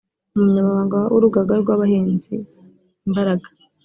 umunyamabanga w’urugaga rw’abahinzi “Imbaraga”